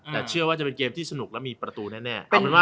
แต่เชื่อว่าจะเป็นเกมที่สนุกและมีประตูแน่